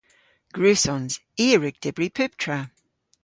Gwrussons. I a wrug dybri pubtra.